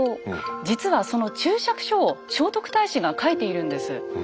実はその注釈書を聖徳太子が書いているんです。